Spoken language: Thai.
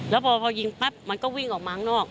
แล้วพอยิงปั๊บมันก็วิ่งออกมาข้างนอก